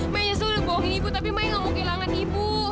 maya nyesel udah bohongin ibu tapi maya gak mau kehilangan ibu